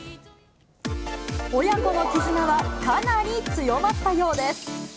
親子の絆はかなり強まったようです。